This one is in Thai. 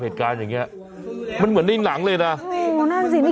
เหตุการณ์อย่างเงี้ยมันเหมือนในหนังเลยนะโอ้โหนั่นสินี่